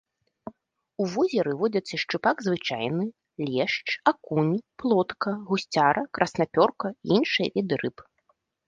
У возеры водзяцца шчупак звычайны, лешч, акунь, плотка, гусцяра, краснапёрка і іншыя віды рыб.